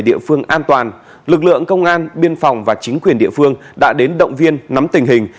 địa phương an toàn lực lượng công an biên phòng và chính quyền địa phương đã đến động viên nắm tình hình